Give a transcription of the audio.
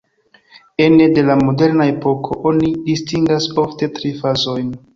Ene de la moderna epoko oni distingas ofte tri fazojn.